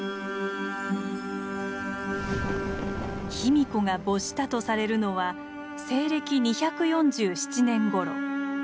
卑弥呼が没したとされるのは西暦２４７年頃。